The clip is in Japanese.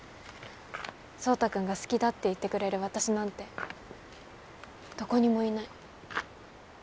壮太君が好きだって言ってくれる私なんてどこにもいない。